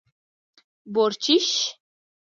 🐊 بورچېش